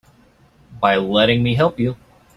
By letting me help you.